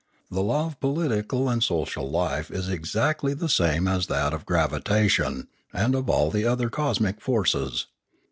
The law of political and social life is exactly the same as that of gravitation and of all the other cosmic forces.